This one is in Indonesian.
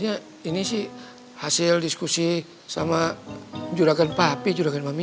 iya sebenarnya ini sih hasil diskusi sama juragan papi juragan mami